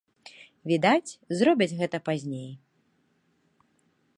Відаць, зробяць гэта пазней.